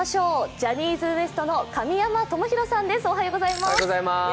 ジャニーズＷＥＳＴの神山智洋さんです。